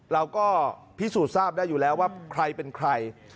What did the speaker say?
เราก็พิสูจน์ทราบได้อยู่แล้วว่าใครเป็นใคร